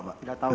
gak tahu ya